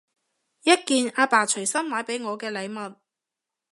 一件阿爸隨心買畀我嘅禮物